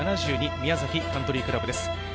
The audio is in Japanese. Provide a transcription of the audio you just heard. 宮崎カントリークラブです。